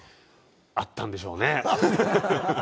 あったんでしょうね。